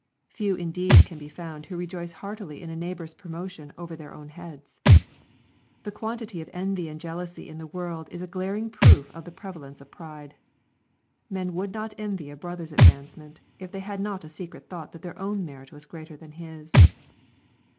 Few indeed can be found who rejoice heartily in a neighbor's promotion over their own heads. The quantity of envy and jealousy in the world is a glaring proof of the prevalence of pride. Men would not envy a brother's advancement if they had not a secret thought that their own merit was greater than his.